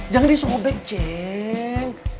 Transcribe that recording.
jangan disobek jeng